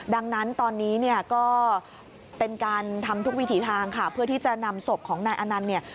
ดังนั้นตอนนี้เนี่ยก็เป็นการทำทุกวิถีทางค่ะเพื่อที่จะนำศพของนายอนันต์เนี่ย